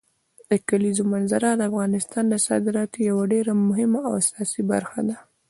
د کلیزو منظره د افغانستان د صادراتو یوه ډېره مهمه او اساسي برخه ده.